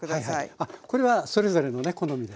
あっこれはそれぞれのね好みで。